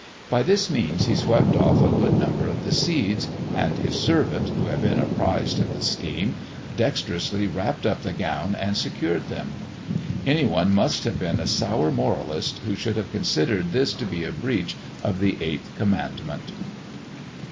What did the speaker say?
By this means he swept off a good number of the seeds; and his servant, who had been apprised of the scheme, dexterously wrapt up the gown and secured them. Any one must have been a sour moralist who should have considered this to be a breach of the eighth commandment.